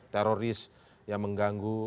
teroris yang mengganggu